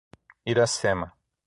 Iracema